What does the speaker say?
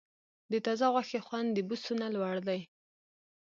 د تازه غوښې خوند د بوسو نه لوړ دی.